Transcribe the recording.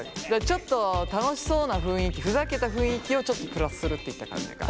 ちょっと楽しそうな雰囲気ふざけた雰囲気をちょっとプラスするっていった感じか。